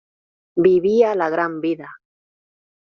Vivía la gran vida